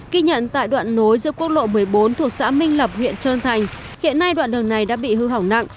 ký nhận tại đoạn nối giữa quốc lộ một mươi bốn thuộc xã minh lập huyện trơn thành hiện nay đoạn đường này đã bị hư hỏng nặng